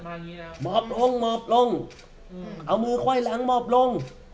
อย่างงี้แล้วหมอบลงหมอบลงเอามือไขว้หลังหมอบลง